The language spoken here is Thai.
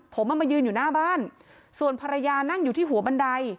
ผมเอามายืนอยู่หน้าบ้านส่วนภรรยานั่งอยู่ที่หัวบันได